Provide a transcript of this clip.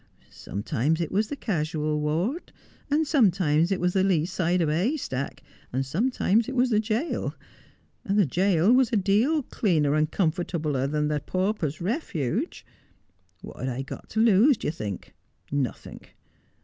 Sometimes it was the casual ward, and sometimes it was the lee side of a hay stack, and sometimes it was the jail, and the jail was a deal cleaner and comfortabler than the pauper's refuge. Wot had I got to lose, d'ye think 1 Nothink.